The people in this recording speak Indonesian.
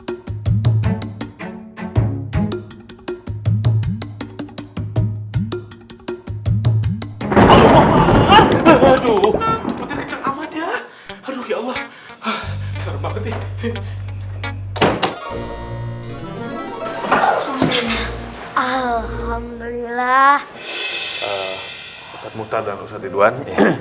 ustaz muhtar dan ustaz ridwan